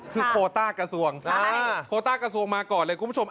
คือโคต้ากระทรวงโคต้ากระทรวงมาก่อนเลยคุณผู้ชม